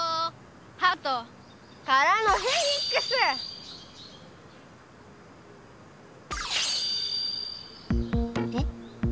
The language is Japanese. はとからのフェニックス！え？え？